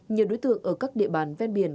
nhiều đối tượng ở các địa bàn ven biển